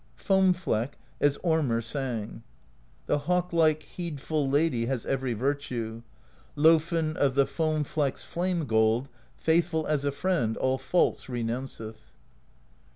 Foam Fleck, as Ormr sang: The hawk like, heedful Lady Has every virtue: Lofn Of the Foam Fleck's flame gold, faithful As a friend, all faults renounceth.